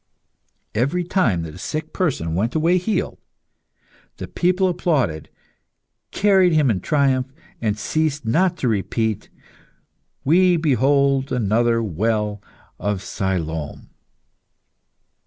Every time that a sick person went away healed, the people applauded, carried him in triumph, and ceased not to repeat "We behold another well of Siloam!"